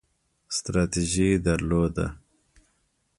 ستراتیژي درلوده